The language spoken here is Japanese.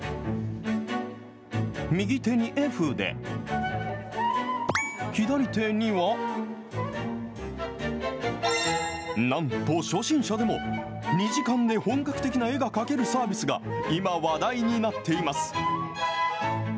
右手に絵筆、左手には、なんと、初心者でも２時間で本格的な絵が描けるサービスが、今、話題になっています。